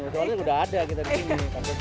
soalnya udah ada kita disini